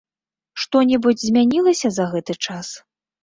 Што-небудзь змянілася за гэты час?